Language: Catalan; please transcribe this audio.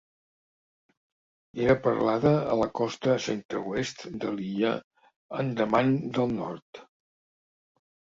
Era parlada a la costa centre-oest de l'illa Andaman del nord.